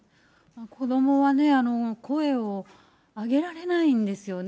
子どもはね、声を上げられないんですよね、